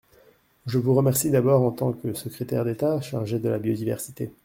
Je vous remercie d’abord en tant que secrétaire d’État chargée de la biodiversité.